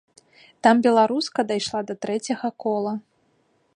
Там беларуска дайшла да трэцяга кола.